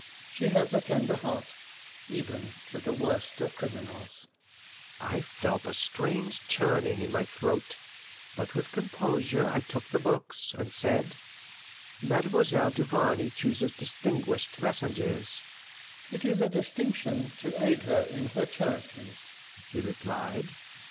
She has a tender heart even to the worst of criminals." I felt a strange churning in my throat, but with composure I took the books, and said, "Mademoiselle Duvarney chooses distinguished messengers." "It is a distinction to aid her in her charities," he replied.